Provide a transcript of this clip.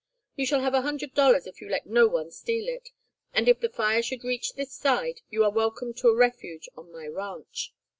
You shall have a hundred dollars if you let no one steal it; and if the fire should reach this side, you are welcome to a refuge on my ranch."